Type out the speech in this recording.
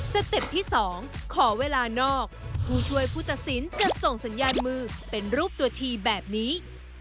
เต็ปที่๒ขอเวลานอกผู้ช่วยผู้ตัดสินจะส่งสัญญาณมือเป็นรูปตัวทีแบบนี้